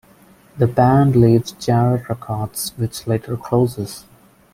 The band leaves Jarrett Records which later closes.